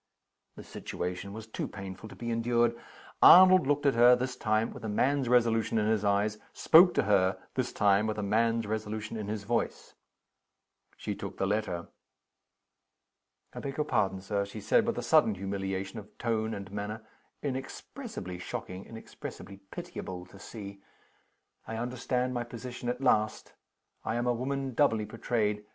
The situation was too painful to be endured. Arnold looked at her, this time, with a man's resolution in his eyes spoke to her, this time, with a man's resolution in his voice. She took the letter. "I beg your pardon, Sir," she said, with a sudden humiliation of tone and manner, inexpressibly shocking, inexpressibly pitiable to see. "I understand my position at last. I am a woman doubly betrayed.